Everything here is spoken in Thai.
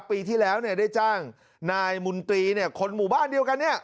ปีที่แล้วได้จ้างนายมนตรีเนี่ยคนหมู่บ้านเดียวกันเนี่ย